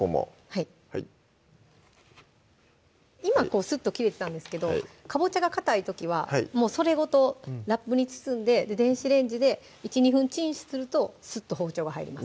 はい今こうスッと切れてたんですけどかぼちゃがかたい時はもうそれごとラップに包んで電子レンジで１２分チンするとスッと包丁が入ります